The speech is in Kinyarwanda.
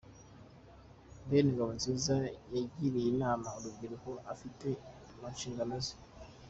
Ben Ngabonziza yagiriye inama urubyiruko afite mu nshingano ze.